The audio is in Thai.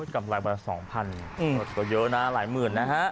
กำไรวันละ๒๐๐ก็เยอะนะหลายหมื่นนะฮะ